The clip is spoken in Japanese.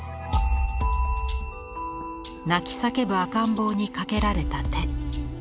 泣き叫ぶ赤ん坊にかけられた手。